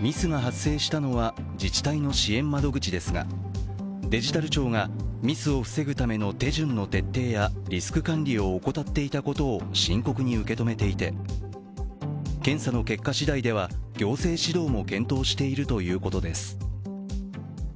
ミスが発生したのは自治体の支援窓口ですが、デジタル庁がミスを防ぐための手順の徹底やリスク管理を怠っていたことを深刻に受け止めていて、検査の結果しだいでは行政指導も検討しているということです。